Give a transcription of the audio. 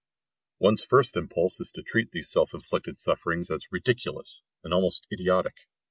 One's first impulse is to treat these self inflicted sufferings as ridiculous and almost idiotic.